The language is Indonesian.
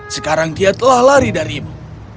sekarang kia telah lari darimu